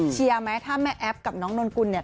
เชียร์ไหมถ้าแม่แอ๊บกับน้องน้องกุลเนี่ย